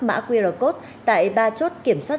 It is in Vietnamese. mã qr code tại ba chốt kiểm soát